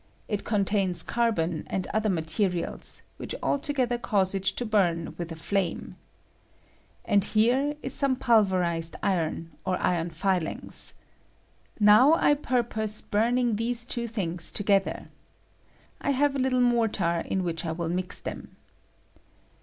It contains carbon and other materials, which altogether cause it to burn with a flame. And J COMBUSTION WITH AND WITHOUT FLAME. 49 here ia aome pulverized iron, or iron filings. Now I purpose burning these two things to gether. I have a little mortar ia which I will mix them.